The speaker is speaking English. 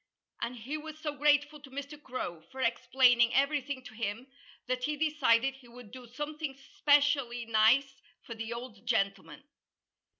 And he was so grateful to Mr. Crow for explaining everything to him that he decided he would do something specially nice for the old gentleman.